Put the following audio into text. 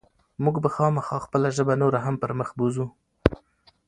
موږ به خامخا خپله ژبه نوره هم پرمخ بوځو.